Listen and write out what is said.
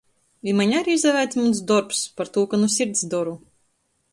I maņ ari izaveic muns dorbs, partū ka nu sirds doru.